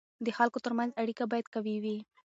د خلکو ترمنځ اړیکه باید قوي وي.